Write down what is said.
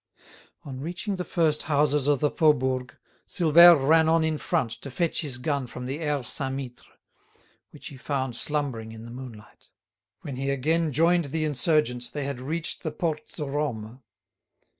On reaching the first houses of the Faubourg, Silvère ran on in front to fetch his gun from the Aire Saint Mittre, which he found slumbering in the moonlight. When he again joined the insurgents they had reached the Porte de Rome.